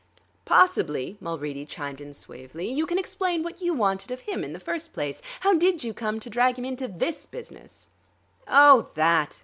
"Possibly," Mulready chimed in suavely, "you can explain what you wanted of him, in the first place. How did you come to drag him into this business?" "Oh, that!"